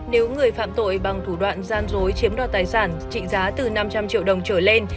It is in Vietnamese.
nếu người phạm tội bằng thủ đoạn gian dối chiếm đoạt tài sản trị giá từ năm trăm linh triệu đồng trở lên